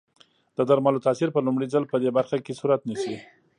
د درملو تاثیر په لومړي ځل پدې برخه کې صورت نیسي.